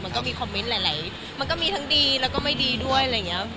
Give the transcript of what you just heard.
มันก็มีคอมเมนต์หลายมันก็มีทั้งดีแล้วก็ไม่ดีด้วยอะไรอย่างเงี้ย